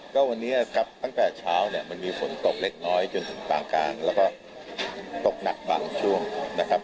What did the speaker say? วันนี้ครับตั้งแต่เช้ามันมีฝนตกเล็กน้อยถึงความกลางและเราก็ตกหนักขนาดอีกต้าน